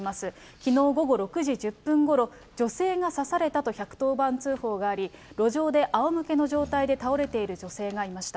きのう午後６時１０分ごろ、女性が刺されたと１１０番通報があり、路上であおむけの状態で倒れている女性がいました。